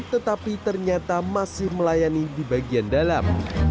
tetapi ternyata masih melayani di bagian dalam